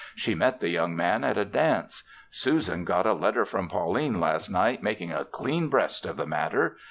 She met the young man at a dance. Susan got a letter from Pauline last night making a clean breast of the matter.